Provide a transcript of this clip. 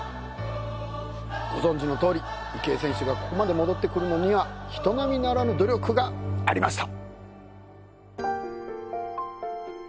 ご存じのとおり池江選手がここまで戻ってくるのには人並みならぬ努力がありました